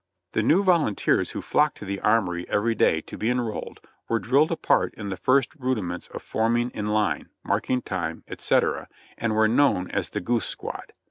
The new volunteers who flocked to the armory every day to be enrolled were drilled apart in the first rudiments of forming in Hne, marking time, &c., and were known as the "goose squad."